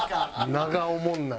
長おもんない。